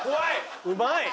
うまい！